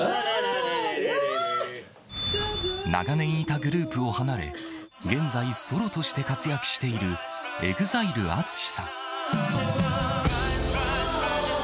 長年いたグループを離れ、現在、ソロとして活躍しているＥＸＩＬＥ・ＡＴＳＵＳＨＩさん。